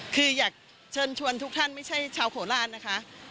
คืออยากเชิญชวนทุกท่านไม่ใช่ชาวโคราชนะคะ